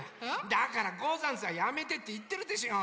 だから「ござんす」はやめてっていってるでしょう！